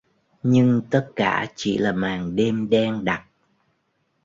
Nhưng tất cả chỉ là màn đêm đen đặc